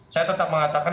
saya tetap mengatakan